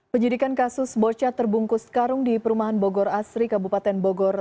penyidikan kasus bocah terbungkus karung di perumahan bogor asri kabupaten bogor